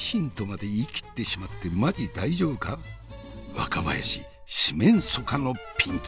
若林四面楚歌のピンチ。